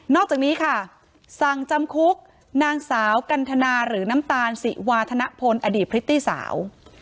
อกจากนี้ค่ะสั่งจำคุกนางสาวกันทนาหรือน้ำตาลศิวาธนพลอดีตพริตตี้สาว